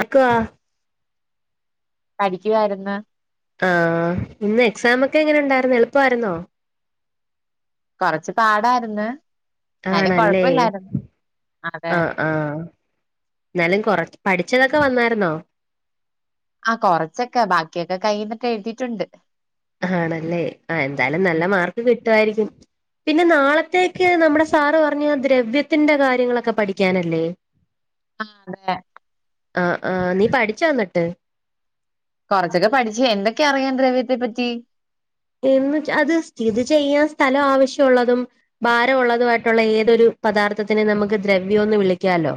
അക്വാ പഠിക്കുവാര്ന്ന് ആഹ് ഇന്ന് എക്സാമൊക്കെ എങ്ങനെ ഉണ്ടാര്ന്ന്എളുപ്പായിര്ന്നോ കൊറച്ച് പാടായിര്ന്ന് ആണല്ലേ അതെ ആഹ് ആ ഇന്നാലും കൊറ പഠിച്ചതൊക്കെ വന്നായിരുന്നോ? ആ കൊറച്ചൊക്കെ ബാക്കിയൊക്കെ കയ്യ്ന്നിട്ട് എഴുതിറ്റുണ്ട് ആണല്ലേ ആ എന്തായാലും നല്ല മാർക്ക് കിട്ടുവായിരിക്കും. പിന്നെ നാളത്തേക്ക് നമ്മുടെ സാറ് പറഞ്ഞ ആ ദ്രവ്യത്തിന്റെ കാര്യങ്ങളൊക്കെ പഠിക്കാനല്ലേ? ഉ ആ അതെ. ആ ആ നീ പഠിച്ചൊ അന്ന്ട്ട് കുറച്ചൊക്കെ പഠിച്ച് എന്തൊക്കെ അറിയാം ദ്രവ്യത്തെ പറ്റി? എന്ന് വെച്ച അത് സ്ഥിതി ചെയ്യാൻ സ്ഥലം ആവശ്യ ഉള്ളതും ഭാര ഉള്ളതു വായിട്ടുള്ള ഏതൊരു പദാർത്ഥത്തിനെ നമുക്ക് ദ്രവ്യം യൊന്ന് വിളിക്കാലോ.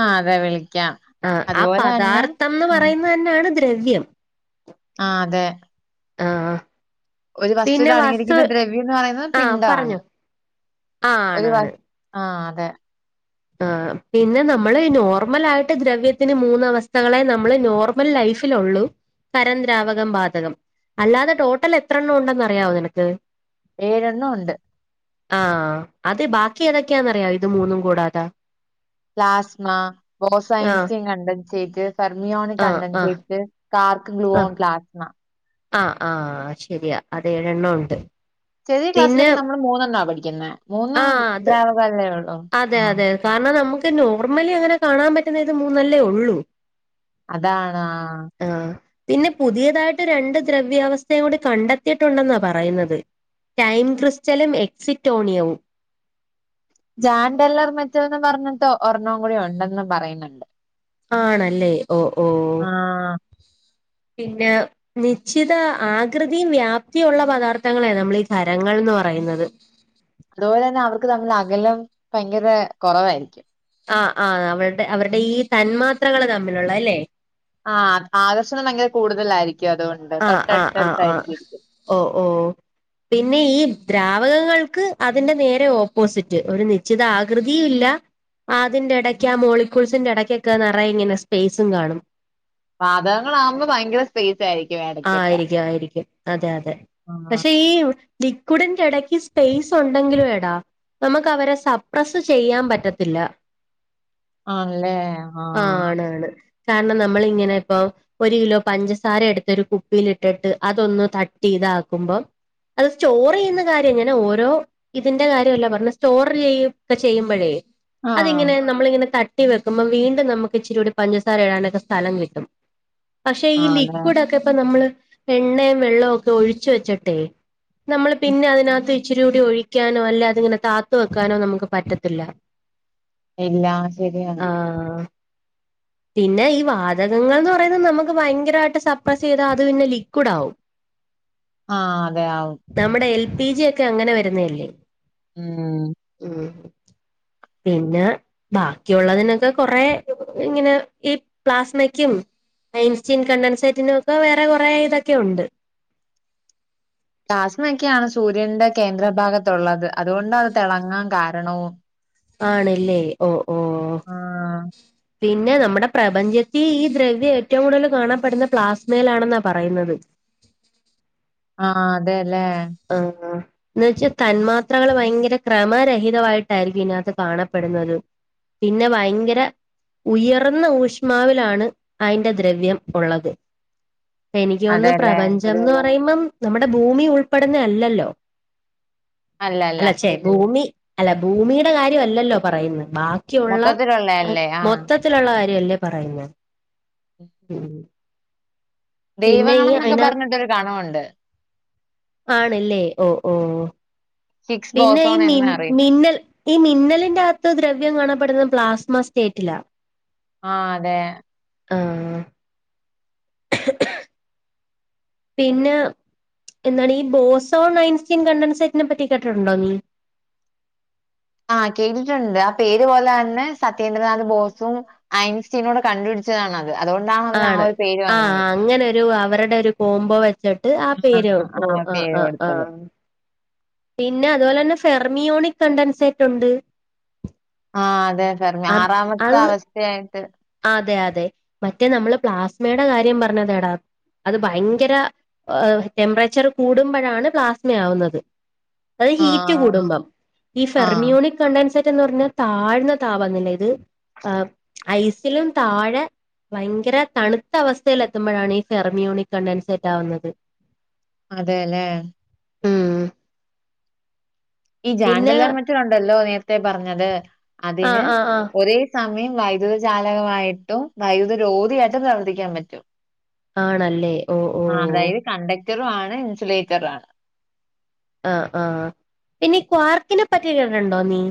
ആ അതെ വിളിക്കാം ആഹ് ആ അതുപോലെ തന്നെ പദാർത്ഥംന്ന് ഉം പറയുന്നത് തന്നെയാണ് ദ്രവ്യം ആ അതെ ആഹ് ആ ഒരു വസ്തുവിൽ അടങ്ങിയിരിക്കുന്ന ദ്രവ്യംന്ന് പറയുന്നത് ആഹ് പിണ്ഡം ആണ് പറഞ്ഞോ ആ ഒരു വ ആ അതെ ആ പിന്നെ നമ്മള് നോർമലായിട്ട് ദ്രവ്യത്തിന് മൂന്ന് അവസ്ഥകളെ നമ്മള് നോർ ഒരു ലൈഫിലൊള്ളു കരം ദ്രാവകം ബാതകം അല്ലാതെ റ്റൊട്ടൽ എത്രണ്ണം ഉണ്ടെന്നറിയവൊ നിനക്ക്? ഏഴെണ്ണം ഉണ്ട് ആഹ് അത് ബാക്കി ഏതൊക്കെയാന്നറിയോ ഇത് മൂന്നും കൂടാതെ പ്ലാസ്മ, ആഹ് ബോസയൻസിംഗ് കണ്ടൻസേറ്റ്, ഫെർമിയോൺ ആഹ് ആഹ് കണ്ടൻസേറ്റ്, കാർ ഗ്ലുവോൺ പ്ലാസ്മ ആ ആ ശെരിയാ അതെ ഏഴെണ്ണം ഉണ്ട് ചെറിയ പിന്നെ ക്ലാസ്സിലൊക്കെ നമ്മള് മൂന്നെണ്ണ പഠിക്കുന്നെ മൂന്ന് ആഹ് അത് ദ്രാവകാല്ലേ ഒള്ളൂ അതെ അതെ കാരണം നമ്മക്ക് നോർമലി അങ്ങനെ കാണാൻ പറ്റുന്നേത് മൂന്നല്ലേ ഒള്ളു. അതാണ് ആഹ് ആഹ് പിന്നെ പുതിയതായിട്ട് രണ്ട് ദ്രവ്യവസ്ഥയും കൂടി കണ്ടെത്തിയിട്ടുണ്ടെന്നാ പറയുന്നത്. ടൈം ക്രിസ്റ്റലും, എക്സിറ്റോണിയവും. ജാൻ ടെല്ലർ മെറ്റൽ ന്ന് പറഞ്ഞ്ട്ട് ഒരെണ്ണം കൂടി ഒണ്ടെന്ന് പറയ്ന്ന്ണ്ട് ആണല്ലേ ഓ ഓ ആഹ് പിന്ന നിശ്ചിത ആകൃതിയും വ്യാപ്തിയും ഒള്ള പദാർത്ഥങ്ങളെ നമ്മൾ ഈ ഖരങ്ങൾന്ന് പറയുന്നത്. അതുപോലെന്നെ അവർക്ക് തമ്മില്ള്ള അകലം ഭയങ്കര കൊറവായിരിക്കും ആഹ് ആഹ് അവൾടെ അവര്ടെ ഈ തന്മാത്രകൾ തമ്മിലുള്ള ല്ലെ ആഹ് ആകർഷണം ഭയങ്കര കൂടുതലായിരിക്കും അതുകൊണ്ട് ആ ആ ആ ആ തൊട്ടടുത്തടുത്തായിരിക്കും. ഓ ഓ പിന്നെ ഈ ദ്രാവകങ്ങൾക്ക് അതിന്റെ നേരെ ഓപ്പോസിറ്റ് ഒരു നിശ്ചിത ആകൃതിയും ഇല്ല ആ അതിന്റെ എടയ്ക്ക ആ മോലിക്കുൾസിന്റെ എടയ്ക്കൊക്കെ നറേ ഇങ്ങനെ സ്പേയ്സും കാണും വാതകങ്ങള ആകുമ്പോ ഭയങ്കര സ്പേസ് ആയിരിക്കും ആ ആ ആയിരിക്കും ആയിരിക്കും അതെ അതെ ആഹ് പക്ഷെ ഈ ലിക്കുഡിന്റെ എടയ്ക്ക് സ്പേസ് ഉണ്ടെങ്കിലും എടാ നമുക്ക് അവരെ സപ്രസ് ചെയ്യാൻ പറ്റത്തില്ല ആണല്ലേ ആ ആഹ് ആണ് ആണ് കാരണം നമ്മൾ ഇങ്ങനെ ഇപ്പൊ ഒരു കിലോ പഞ്ചസാര എട് ത്ത് ഒരു കുപ്പിയിലിട്ടിട്ട് അതൊന്ന് തട്ടി ഇതാക്കുമ്പോ അത് സ്റ്റോറ് എയ്യുന്ന കാര്യം ഇങ്ങനെ ഓരോ ഇതിന്റെ കാര്യല്ല പറഞ്ഞ സ്റ്റോർ ചെയ്യു ക്കെ ചെയ്യുമ്പോഴേ ആഹ് അതിങ്ങനെ നമ്മളിങ്ങനെ തട്ടി വെക്കുമ്പോ വീണ്ടും നമുക്ക് ഇച്ചിരൂടി പഞ്ചസാര ഇടാനൊക്കെ സ്ഥലം കിട്ടും. പക്ഷെ ഈ ആഹ് അതെ ലിക്യുട് ഒക്കെ ഇപ്പോ നമ്മള് എണ്ണോം വെള്ളവും ഒക്കെ ഒഴിച്ച് വെച്ചിട്ടെ. നമ്മള് പിന്നെ അതിനകത്ത് ഇച്ചിരിക്കുടി ഒഴിക്കാനോ, അല്ല അതിങ്ങനെ താത്തുവെക്കാനോ നമുക്ക് പറ്റത്തില്ല. ഇല്ല ശരിയാണ്. ആഹ് പിന്നെ ഈ വാതകങ്ങൾ എന്ന് പറയുന്നത് നമുക്ക് ഭയകരയിട്ട് ശബ്‌ [unintelligible] ചെയതാൽ അത് പിന്നെ ലിക്യുട് ആവും. ആഹ് അതെ ആവും. നമ്മുടെ എൽ പി ജി ഒക്കെ അങ്ങനെ വരുന്നല്ലോ. ഉം. ഉം പിന്നെ. ബാക്കിയുള്ളതിനൊക്കെ കൊറേ ഇങ്ങനെ ഈ പ്ലാസ്മക്യും. ഐൻസ്റ്റീൻ കണ്ടൻസ്റ്റാറ്റിന്റെയൊക്കെ വേറെ കുറെ ഇതൊക്കെയുണ്ട്. പ്ലാസ്മക്ക് ആണ് സൂര്യന്റെ കേന്ദ്രഭാഗത്തുള്ളത്, അത് കൊണ്ട് അത് തിളങ്ങാൻ കാരണവും. ആണല്ലേ ഓ ഓ. ആഹ് പിന്നെ നമ്മുടെ പ്രപഞ്ചത്തിൽ ഈ ദ്രവ്യം ഏറ്റവും കൂടുതൽ കാണപ്പെടുന്ന പ്ലാസ്മയിലാണെന്ന പറയുന്നത്. ആഹ് അതെല്ലേ. ആഹ് ആഹ് എന്ന്‌ വെച്ചാൽ തന്മാത്രകൾ ഭയങ്കര ക്രമരെഹിതമായിട്ടായിരിക്കും ഇതിനകത്ത് കാണപ്പെടുന്നത്. പിന്നെ ഭയങ്കര. ഉയർന്ന ഊഷ്മാവിലാണ് അതിന്റെ ദ്രവ്യം ഉള്ളത്. എനിക്ക് തോന്നു അതെല്ലേ പ്രപഞ്ചം എന്ന് പറയുമ്പം നമ്മുടെ ഭൂമി ഉൾ ഉൾപ്പെടുന്നല്ലല്ലോ അല്ലല്ല അല്ല ചേ. ഭൂമി അല്ല ഭൂമിയുടെ കാര്യാലല്ലോ പറയുന്നേ ബാക്കിയുള്ള മൊത്ത മൊത്തത്തിലുള്ളയല്ലേ ആഹ് മൊത്തത്തിലുള്ള കാര്യല്ലേ പറയുന്നേ ഉം പിന്നെ ഈ ദൈവഗണം എന്നൊക്കെ അയിന പറഞ്ഞിട്ട് ഗണവുണ്ട്. ആണല്ലേ ഒ ഓ ഹിഗ്സ് പിന്നെ ഈ ബോസോൺ മി എന്ന് അറിയും. മിന്നൽ. ഈ മിന്നലിന്റെ അകത്ത് ദ്രവ്യം കാണപ്പെടുന്നത് പ്ലാസ്മ സ്റ്റേറ്റില്ല. ആഹ് അതെ ആഹ് [inaudible] പിന്നെ ഇന്നാണി ഈ ബോസോ ഐൻസ്റ്റീൻ കണ്ടൻസ്റ്റാറ്ററ്റിനെ പറ്റി കേട്ടിട്ടുണ്ടോ നീ. ആഹ്, കേട്ടിട്ടുണ്ട്, ആ പേര് പോലെത്തെന്നെ സത്യേന്ദ്രനാഥ് ബോസും. ഐൻസ്റ്റീൻ കൂടെ കണ്ടുപിച്ചതാണ് അത്. അത്, അതുകൊണ്ടാ ആണ് ആഹ് അങ്ങനെ ഒരു അവരുടെ ഒരു കോംബോ വെച്ച് വെച്ചിട്ട്, ആ ആഹ് പേര് ഉ പേര് ആഹ് ആഹ്. കൊടുത്തത്. പിന്നെഅത്പോലെന്നേ ഫെർമിയോണിക്ക് കണ്ടാൻസ്റ്റാറ്റയുണ്ട്. ആഹ് അതെ അതെ അത് ആറാമത്തെ അത് അവസ്ഥയായിട്ട്. അതെ അതെ മറ്റേ നമ്മള് പ്ലാസ്മയുടെ കാര്യം പറഞ്ഞതടാ. അത് ഭയങ്കര ടെമ്പറേച്ചർ കൂടുമ്പോഴാണ് പ്ലാസ്മ ആവുന്നത്. അത് ഹീറ്റ് ആഹ് കൂടുമ്പം ഈ ആഹ് ഫെർമിയോണിക്ക്. കണ്ടൻസ്റ്റേറ്റ് എന്ന് പറയുന്നത് താഴ്ന്ന താപനില ഇത് ആഹ് ഐസിലും താഴെ ഭയങ്കര തണുത്ത അവസ്ഥയിൽ എത്തുമ്പോഴാണ് ഈ ഫെർമിയോണിക് കണ്ടാൻസ്റ്റാറ്റവുന്നത്. അതെല്ലേ ഉം ഈ പിന്നെ ജാൻജെലർ മറ്റു കണ്ടല്ലോ നേരത്തെ പറഞ്ഞത് ആഹ് അതിന് ആഹ് ആഹ് ഒരേ സമയം വൈദ്യുത ജാലകമായിട്ടും വൈദ്യുത രോദിയായിട്ടും പ്രവർത്തിക്കാൻ പറ്റും. ആണല്ലേ ഓ ഓ അതായത് കണ്ടക്ടറു ആണ് ഇൻസുലേറ്ററുണ്. ആഹ് ആഹ് ഇനി ക്വാർക്കിനെ പറ്റി കേട്ടിട്ടുണ്ടോ നീ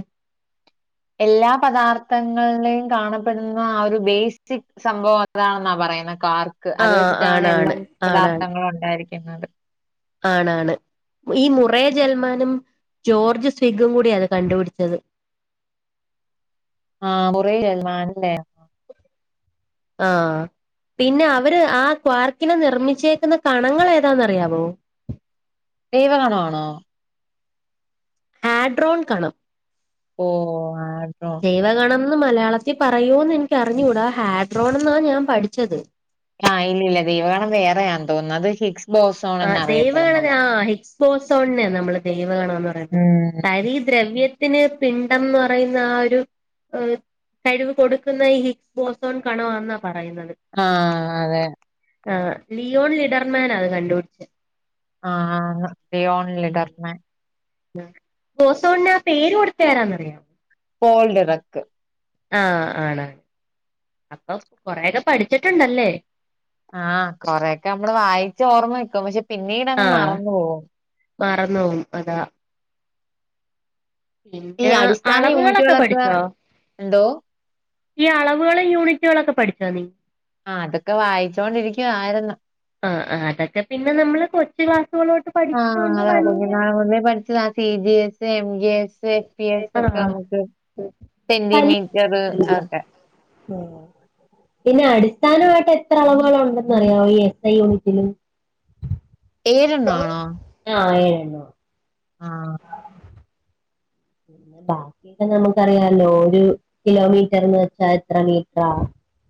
എല്ലാ പദാർത്ഥങ്ങളിലേയും കാണപ്പെടുന്ന ആ ഒരു ബെസ്റ്റിക് സംഭവം അതാണെന്നാ പറയുന്നേ കാർക്ക് അത് ആഹ് വെച്ചിട്ടാണ് ആണാണ് എല്ലാം ആണാണ് പദാർത്ഥങ്ങളും ഉണ്ടായിരിക്കുന്നത്. ആണാണ് ഈ മുറേ ജൽമാനും ജോർജ് സ്വിഗും കൂടിയ അത് കണ്ടുപിടിച്ചത് ആഹ് മുറേ ജൽമാൻ അല്ലെ ആഹ് പിന്നെ അവര് ആ ക്വാർക്കിനെ നിർമ്മിച്ചേക്കുന്ന കണങ്ങൾ ഏതാന്ന് അറിയാവോ ദൈവഗണം ആണോ ആഡ്രോൺ കണം ഓ ആഡ്രോ ദൈവഗണോന്ന് മലയാളത്തിൽ പറയൂന്ന് എനിക്ക്റിഞ്ഞുകൂടാ ഹാഡ്രോൺ എന്നാ ഞാൻ പഠിച്ചത് ആഹ് ഇല്ല ഇല്ല ദൈവഗണ വേറെയാ തോന്നത് അത് ഹിസ് ആ ദൈവഗണത ആ ഹിക്സ്പോസോണെ നമ്മള് ദദേവഗണന്ന് പറയുന്നത് ഉം തരി ദ്രവ്യത്തിന് പിണ്ഡംന്ന് പറയുന്ന ആ ഒരു ഏഹ കഴിവ് കൊടുക്കുന്ന ഈ ഹിക്സ് ബോസോൺ കണം ആന്നാ പറയുന്നത് ആഹ് അതെ ആ ലിയോൺ ലിഡർമാൻ അത് കണ്ടുപിടിച്ചേ ആഹ് ലിയോൺ ലിഡർമാൻ ഓസോണിന് ആ പേര് കൊടുത്തരാന്നറിയോ പോൾഡ് ഇറക്ക് ആഹ് ആണ് അപ്പൊ കൊറെയൊക്കെ പഠിച്ചിട്ടുണ്ടല്ലേ ആഹ് കൊറെൊക്കെ നമ്മള് വായിച്ച ഓർമ്മ വയ്ക്കും പക്ഷെ പിന്നീട് അങ്ങ് മറന്നു പോകും മറന്നോവും അതാ ഈ പിന്നെ അടിസ്ഥാന അളവുകളൊക്കെ യൂണിറ്റുകളൊക്കെ പഠിച്ചോ എന്തോ ഈ അളവുകളും യൂണിറ്റുകളൊക്കെ പഠിച്ചോ നീ ആ അതൊക്കെ വായിച്ചോണ്ടിരിക്കുവായിരുന്നു ആ ആ അതൊക്കെ പിന്നെ നമ്മള് കൊച്ച് ക്ലാസ്സുകളോട്ട് ആഹ് പഠിച്ചോണ്ട് അതാ വല്യാ [unintelligible] പഠിച്ചതാ C B S A M G S A P S ഒക്കെ ആഹ് നമുക്ക് സെന്റിമീറ്റർ ആക്കെ ഉം പിന്നെ അടിസ്ഥാനമായിട്ട് എത്ര അളവുകലുണ്ടെന്നറിയാമോ ഈ എസ് ഐ യൂണിറ്റില് ഏഴ് എണ്ണം ആണോ ആ ഏഴെണ്ണം ആണ് ആ പിന്നെ ബാക്കിയൊക്കെ നമുക്കറിയല്ലോ ഒരു കിലോമീറ്റർന്ന് വെച്ചാ എത്ര മീറ്റർ ആ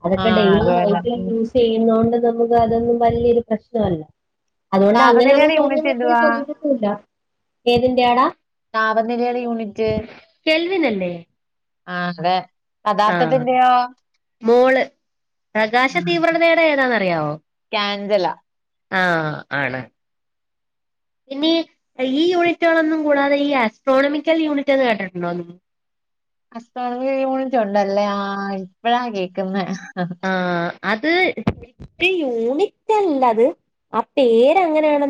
അതൊക്കെ ആഹ് ഡെയിലി അതുപോലെ ലൈഫിൽ ഉം യൂസ് ചെയ്യുന്നകൊണ്ട് നമുക്ക് അതൊന്നും വലിയൊരു പ്രശ്നമല്ല അതുകൊണ്ട് അങ്ങനെ ഒള്ള താപനിലയുടെ യൂണിറ്റ് ചോദ്യങ്ങളൊന്നും എന്തുവാ ചോദിക്കത്തുല്ലാ ഏതിന്റെ ആടാ താപനിലയുടെ യൂണിറ്റ് കേൽവിനല്ലേ ആഹ് അതെ പദാർത്ഥത്തിന്റെയോ മോള് പ്രകാശ തീവ്രണതയുടെ ഏതാന്നറിയാവോ കാൻഡല ആ ആണ് ഇനി ഈ യൂണിറ്റുകളൊന്നും കൂടാതെ ഈ ആസ്ട്രോണമിക്കൽ യൂണിറ്റ് എന്ന് കേട്ടിട്ടുണ്ടോ നീ അസ്ട്രോണമിക്കൽ യൂണിറ്റ് ഒണ്ടല്ലേ ആ ഇപ്പഴാ കേക്കുന്ന ആഹ് അത് ഒരു യൂണിറ്റ്ല്ലത് ആ പേരങ്ങനെയാണ്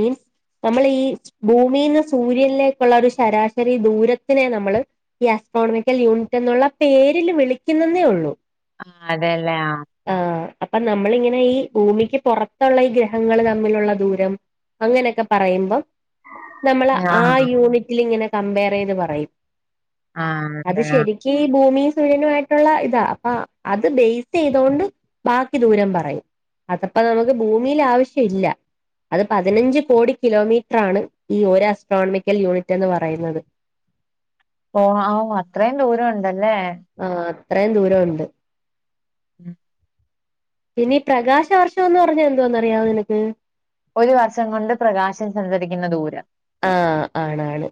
മീൻസ് നമ്മൾ ഈ ഭൂമിന്ന് സൂര്യനിലേക്കുള്ള ഒരു ശരാശരി ദൂരത്തിനെ നമ്മള് ഈ ആസ്ട്രോണമിക്കൽ യൂണിറ്റ് എന്നുള്ള പേരിൽ വിളിക്കുന്നന്നേ ഒള്ളൂ ആ അതെല്ലേ ആ ആ അപ്പൊ നമ്മളിങ്ങനെ ഈ ഭൂമിക്ക് പുറത്തുള്ള ഈ ഗ്രഹങ്ങൾ തമ്മിലുള്ള ദൂരം അങ്ങനെയൊക്കെ പറയുമ്പം നമ്മൾ ആ യൂണിറ്റിൽ ഇങ്ങനെ കംപെയർ ചെയ്ത് പറയും ആ അത് അതെ ശരി ക്ക് ഭൂമിയും സൂര്യനും ആയിട്ടുള്ള ഇതാ അപ്പ അ ബേസ് ചെയ്തോണ്ട് ബാക്കി ദൂരം പറയും അതപ്പ നമുക്ക് ഭൂമിയിൽ ആവശ്യം ഇല്ല അത് പതിനഞ്ച് കോടി കിലോമീറ്റർ ആണ് ഈ ഒരു അസ്ട്രോണമിക്കൽ യൂണിറ്റ് എന്ന് പറയുന്നത്. ഓ ആഹ് അത്രയും ദൂരം ഉണ്ടല്ലേ ആഹ് അത്രയും ദൂരം ഉണ്ട് ഉം പിന്നെ ഈ പ്രകാശ വർഷം എന്ന് പറഞ്ഞ എന്തുവാന്നറിയാവോ നിനക്ക് ഒരു വർഷം കൊണ്ട് പ്രകാശം സഞ്ചരിക്കുന്ന ദൂരം ആഹ് ആണ് ആണ്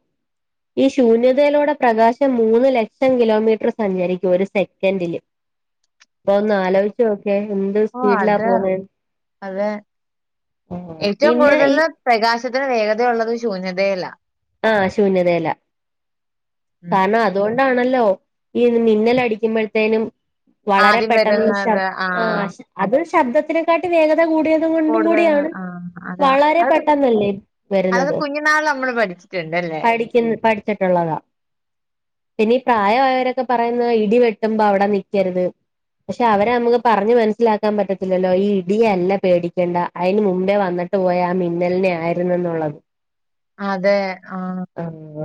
ഈ ശൂന്യതയിലൂടെ പ്രകാശം മൂന്ന് ലക്ഷം കിലോമീറ്റർ സഞ്ചരിക്കും ഒരു സെക്കന്റില് ഒന്ന് ആലോചി നോക്കെ എന്ത് ഓ സ്പീഡിലാ അത് പോവുന്നെന്ന് അത് ആഹ് ഏറ്റവും പിന്നെ കൂടുതൽ ഈ പ്രകാശത്തിന് വേഗത ഉള്ളത് ശൂന്യതയിലാ ആഹ് ശൂന്യതയിലാ ഉം. കാരണം അതുകൊണ്ടാണല്ലോ ഈ മിന്നൽ അടിക്കുമ്പോഴത്തേനും വളരെ ആദ്യം പെട്ടെന്ന് വരുന്നത് ശബ് ആ അത് ശബ്ദത്തിനെക്കാട്ടി വേഗത കൂടിയ കൊണ്ടും കൂടുതൽ കൂടിയാണ് ആ അതാ വളരെ പെട്ടെന്നല്ലേ വരുന്നത് ന്നാൾ നമ്മള് പഠിച്ചിട്ടുണ്ട്ല്ലേ പഠിക്കുന്ന പഠിച്ചിട്ടുള്ളതാ പിന്നെ ഈ പ്രായായവരൊക്കെ പറയുന്ന ഇടി വെട്ടുമ്പോ അവിടെ നിക്കരുത് പഷെ അവരെ നമുക്ക് പറഞ്ഞ് മനസ്സിലാക്കാൻ പറ്റത്തില്ലല്ലോ ഈ ഇടിയല്ല പേടിക്കണ്ട അയിന് മുമ്പേ വന്നിട്ട് പോയ ആ മിന്നലിനെ ആയിരുന്നു എന്നുള്ളത് അതെ ആഹ് ആഹ്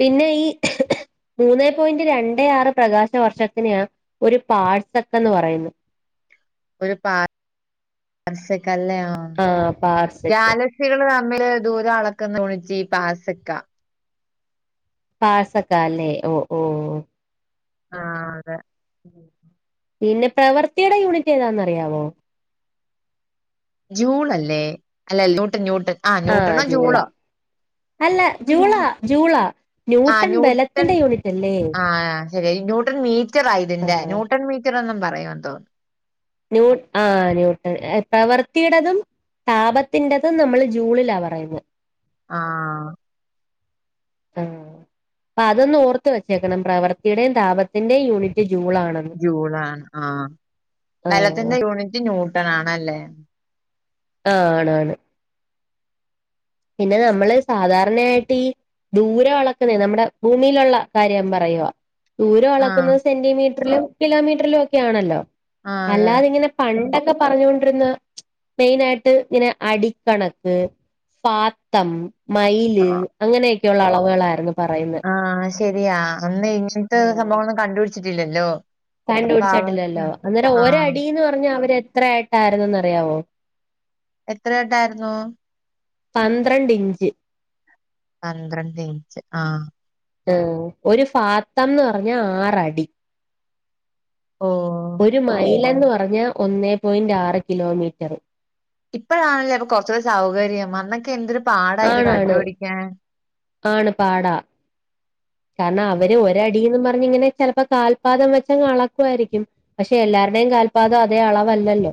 പിന്നെ ഈ മൂന്നേ പോയിന്റ് രണ്ട് ആറ് പ്രകാശ വർഷത്തിനെയാ ഒരു പാഴ്സക്ക് എന്ന് പറയുന്നത് ഒരു പാർ സെക്കല്ലയാ ആഹ് പാർസെക്ക് [unintelligible] തമ്മില് ദൂരം അളക്കുന്ന യൂണിറ്റ് പാസെക്കാ പാഴ്സെക്കാല്ലേ ഓ ഓ ആഹ് അതെ പിന്നെ പ്രവർത്തിയുടെ യൂണിറ്റ് ഏതാന്നറിയാവോ ജൂളല്ലേ അല്ല ന്യൂട്ട് ന്യൂട്ട് ആഹ് ന്യൂട്ടണോ ജൂളോ അല്ല ജൂളാ ജൂളാ ആഹ് ന്യൂട്ടൺ ബലത്തിന്റെ യൂണിറ്റ് അല്ലേ ന്യൂട്ടൻ മീറ്റർ ആ ഇതിന്റെ ആഹ് ന്യൂട്ടൻ മീറ്റർ എന്നും പറയും തോ ന്യൂട്ട് ആ ന്യൂട്ടൺ പ്രവർത്തിയുടെതും താപത്തിന്റെതും നമ്മള് ജൂളിലാ പറയുന്നത് ആഹ് ആഹ് അതൊന്ന് ഓർത്ത് വെച്ചേക്കണം പ്രവൃത്തിയുടെയും താപത്തിന്റെയും യൂണിറ്റ് ജൂളാണ് ജൂളാണ് ആഹ് ആഹ് ബലത്തിന്റെ യൂണിറ്റ് ന്യൂട്ടൺ ആണല്ലേ ആഹ് ആണ് ആണ് പിന്നെ നമ്മള് സാധാരണയായിട്ട് ഈ ദൂര അളക്കുന്നേ നമ്മുടെ ഭൂമിയിലുള്ള കാര്യം പറയോ ദൂരം ആഹ് അളക്കുന്നത് സെന്റിമീറ്ററിലും കിലോമീറ്ററിലും ഒക്കെ ആണല്ലോ ആഹ് അതെ അല്ലാതിങ്ങനെ പണ്ടൊക്കെ പറഞ്ഞോണ്ടിരുന്ന മെയിൻ ആയിട്ട് ഇങ്ങനെ അടിക്കണക്ക് ഫാത്തം മൈല് ആഹ് അങ്ങനെയൊക്കെയുള്ള അളവുകളായിരുന്നു പറയുന്നത് ആഹ് ശരിയാ അന്ന് ഇങ്ങനത്തെ സംഭവങ്ങൾന്നും കണ്ടുപിടിച്ചിട്ടില്ലല്ലോ അപ്പൊ അവർക്ക് കണ്ടുപിടിച്ചിട്ടില്ലല്ലോ അന്നേരം ആഹ് ഒരടീന്ന് പറഞ്ഞ അവര് എത്ര ആയിട്ടായിരുന്നന്ന് അറിയാവോ എത്രയിട്ടായിരുന്നു പന്ത്രണ്ട് ഇഞ്ച്. പന്ത്രണ്ട്ഇഞ്ച് ആഹ് ഒര് ഫാത്തംന്ന്റഞ്ഞാ ആറടി ഓ ഒരു മൈലെന്ന് പറഞ്ഞാ ഒന്നേപോയിന്റ് ആറ് കിലോമീറ്ററ്. ഇപ്പഴാണല്ലേ അപ്പ കൊർച്ചൂടെ സൗകര്യം അന്നൊക്കെ എന്തരു ആണാണ് ആണ് പാട കാരണഅവര് ഒരടീന്ന് പറഞ്ഞിങ്ങനെ ചെലപ്പ കാൽപാദം വെച്ചങ്ങ്അളക്കുവായിരിക്കും പക്ഷെ എല്ലാരുടെയും കാൽപാദം അതേ അളവല്ലല്ലോ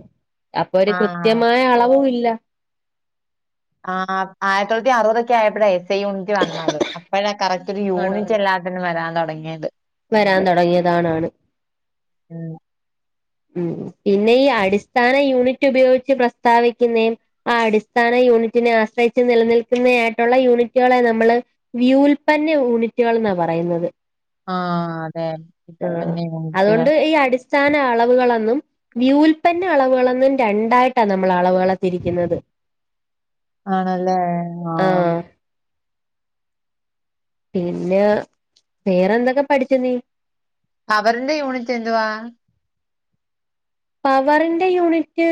അപ്പൊരു ആഹ് കൃത്യമായ അളവുംഇല്ല ആഹ് ആ ആയിര്ത്തി തൊള്ളത്തി അറുപതൊക്കെ ആയപ്പഴേ എസ്സെയ് യൂണിറ്റ് വന്നത് അപ്പഴ കറക്റ്റ് ഒരു യൂണിറ്റ് ആണാണ് അല്ലാ തന്നെവരാൻ തൊടങ്ങിയത് വരാൻ തൊടങ്ങിയതാണ് ആണ് ഉം ഉം പിന്നെ ഈ അടിസ്ഥാന യൂണിറ്റ് ഉപയോഗിച്ച് പ്രസ്താവിക്കുന്നെ ആ അടിസ്ഥാന യൂണിറ്റിനെആശ്രയിച്ച് നിലനിൽക്കുന്നയായിട്ടുള്ള യൂണിറ്റളെ നമ്മള് വ്യൂൽപന്ന യൂണിറ്റൾന്നാ പറയുന്നത്. ആഹ അതെ ആഹ് പിന്നെ യൂണിറ്റുകൾ അതുകൊണ്ട് ഈ അടിസ്ഥാന അളവുകളന്നും വ്യൂൽപന്ന അളവുകളന്നും രണ്ടായിട്ടാ നമ്മള് അളവ്കളെ തിരിക്കുന്നത്. ആണല്ലേ ആഹ ആഹ് പിന്നെ വേറെന്തക്കെ പഠിച്ചുനീ പവറിന്റെ യൂണിറ്റ്എന്തുവാ പവറിന്റെ യൂണിറ്റ്